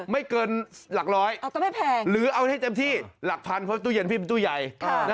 ไม่เกินหลักร้อย